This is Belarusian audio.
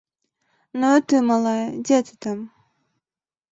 Ну а ты, малая, дзе ты там?